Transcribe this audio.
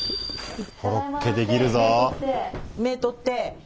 コロッケできるぞ。